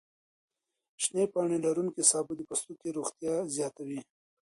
شنې پاڼې لروونکي سابه د پوستکي روغتیا زیاتوي.